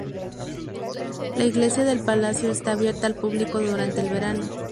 La iglesia del palacio está abierta al público durante el verano.